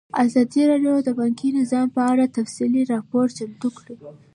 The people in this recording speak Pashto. ازادي راډیو د بانکي نظام په اړه تفصیلي راپور چمتو کړی.